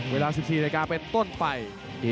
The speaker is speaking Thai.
เวลา๑๔นาฬิกาเป็นต้นไป